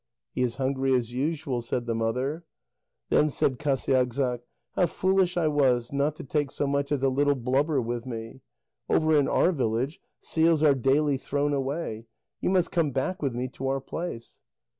"He is hungry, as usual," said the mother. Then said Qasiagssaq: "How foolish I was not to take so much as a little blubber with me. Over in our village, seals are daily thrown away. You must come back with me to our place."